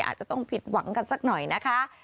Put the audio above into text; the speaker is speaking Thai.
อาจจะต้องผิดหวังกันสักหน่อยนะคะ